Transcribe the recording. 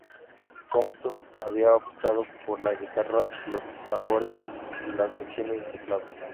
Compton había optado por la guitarra, los tambores, y las lecciones de teclado.